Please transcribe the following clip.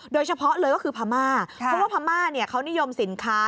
โดยเฉพาะเลยก็คือพม่าเพราะว่าพม่าเขานิยมสินค้า